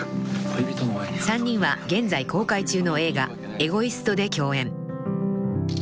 ［３人は現在公開中の映画『エゴイスト』で共演］